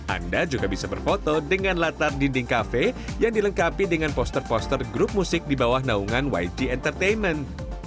anda juga bisa berfoto dengan latar dinding kafe yang dilengkapi dengan poster poster grup musik di bawah naungan yg entertainment